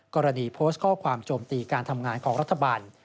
กรณีโพสต์ข้อความโจมตีการทำงานของรัฐบาล